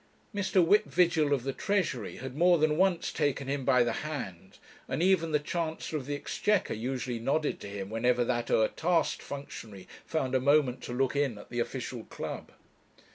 Mr. Whip Vigil, of the Treasury, had more than once taken him by the hand, and even the Chancellor of the Exchequer usually nodded to him whenever that o'ertasked functionary found a moment to look in at the official club.